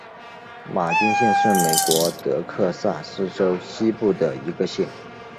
马丁县是美国德克萨斯州西部的一个县。